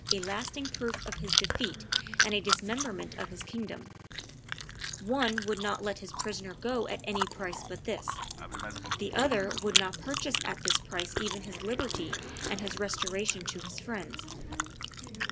a lasting proof of his defeat and a dismemberment of his kingdom: one would not let his prisoner go at any price but this, the other would not purchase at this price even his liberty and his restoration to his friends.